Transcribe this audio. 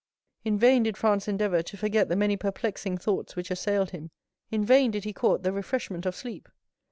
In vain did Franz endeavor to forget the many perplexing thoughts which assailed him; in vain did he court the refreshment of sleep.